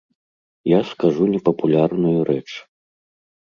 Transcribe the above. Я скажу непапулярную рэч.